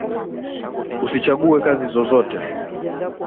Usichague kazi zozote.